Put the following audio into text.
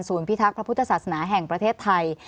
พิทักษ์พระพุทธศาสนาแห่งประเทศไทย